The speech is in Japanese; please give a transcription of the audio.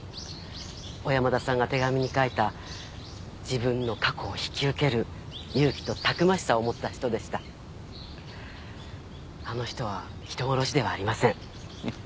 小山田さんが手紙に書いた自分の過去を引き受ける勇気とたくましさを持った人でしたあの人は人殺しではありませんフフ